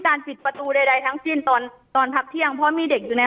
ปิดประตูใดทั้งสิ้นตอนตอนพักเที่ยงเพราะมีเด็กอยู่ใน